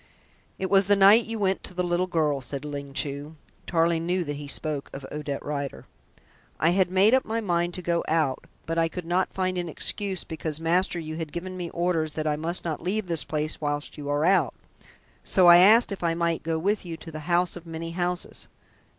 "It was the night you went to the little girl," said Ling Chu (Tarling knew that he spoke of Odette Rider). "I had made up my mind to go out, but I could not find an excuse because, master, you have given me orders that I must not leave this place whilst you are out. So I asked if I might go with you to the house of many houses."